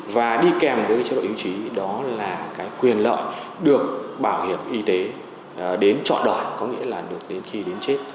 và đi kèm với chế đội ưu trí đó là quyền lợi được bảo hiểm y tế đến trọ đoạn có nghĩa là đến khi đến chết